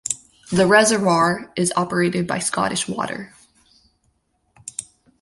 The reservoir is operated by Scottish Water.